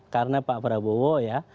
karena pak prabowo ya